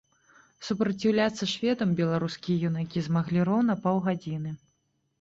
Супраціўляцца шведам беларускія юнакі змаглі роўна паўгадзіны.